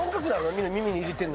みんな耳に入れてるの。